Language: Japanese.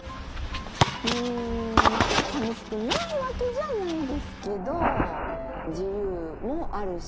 うーん、まあ、さみしくないわけじゃないですけど、自由もあるし。